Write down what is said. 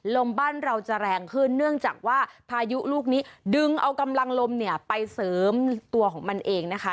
ลมบ้านเราจะแรงขึ้นเนื่องจากว่าพายุลูกนี้ดึงเอากำลังลมเนี่ยไปเสริมตัวของมันเองนะคะ